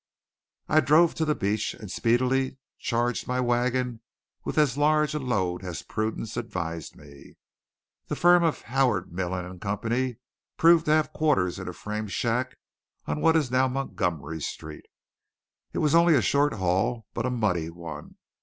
I drove to the beach, and speedily charged my wagon with as large a load as prudence advised me. The firm of Howard Mellin & Company proved to have quarters in a frame shack on what is now Montgomery Street. It was only a short haul, but a muddy one.